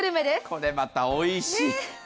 これまたおいしい。